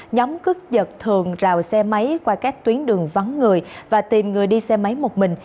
nhóm cướp giật thường rào xe máy qua các tuyến đường vắng người và tìm người đi xe máy một mình